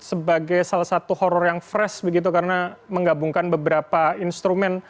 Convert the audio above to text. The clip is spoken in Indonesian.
sebagai salah satu horror yang fresh begitu karena menggabungkan beberapa instrumen